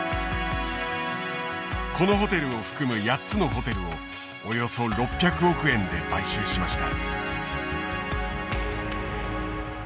このホテルを含む８つのホテルをおよそ６００億円で買収しました。